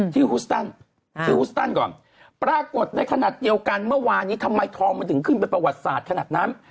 ฮูสตันที่ฮูสตันก่อนปรากฏในขณะเดียวกันเมื่อวานนี้ทำไมทองมันถึงขึ้นเป็นประวัติศาสตร์ขนาดนั้น